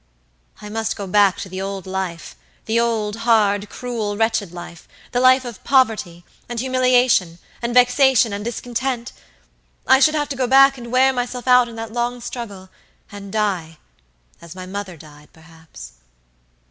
I must go back to the old life, the old, hard, cruel, wretched lifethe life of poverty, and humiliation, and vexation, and discontent. I should have to go back and wear myself out in that long struggle, and dieas my mother died, perhaps!"